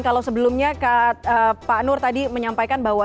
kalau sebelumnya pak nur tadi menyampaikan bahwa